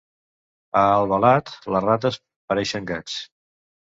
A Albalat, les rates pareixen gats.